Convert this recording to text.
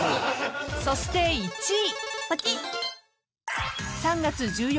［そして１位］